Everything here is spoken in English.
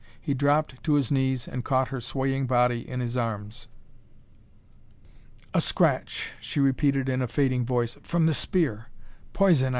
He dropped to his knees and caught her swaying body in his arms. "A scratch," she repeated in a fading voice, "from the spear.... Poison